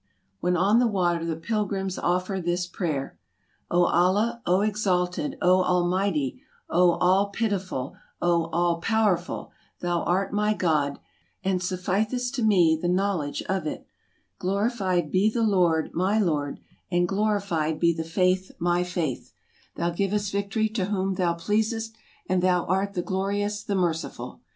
When on the water the pilgrims offer this prayer :" O Allah, O Exalted, O Almighty, O All pitiful, O All power ful, thou art my God, and sufficeth to me the knowledge of it! Glorified be the Lord my Lord, and glorified be the vol. vi. — 17 243 244 TRAVELERS AND EXPLORERS faith my faith ! Thou givest victory to whom thou pleasest, and thou art the glorious, the merciful